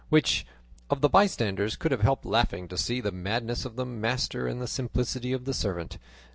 Which of the bystanders could have helped laughing to see the madness of the master and the simplicity of the servant?